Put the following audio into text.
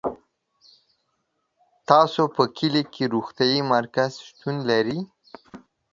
تاسو په کلي کي روغتيايي مرکز شتون لری